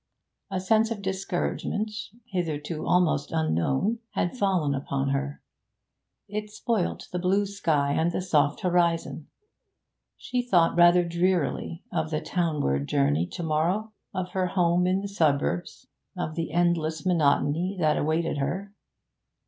A sense of discouragement, hitherto almost unknown, had fallen upon her; it spoilt the blue sky and the soft horizon. She thought rather drearily of the townward journey to morrow, of her home in the suburbs, of the endless monotony that awaited her.